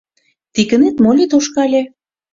Тикынет моли тошкале.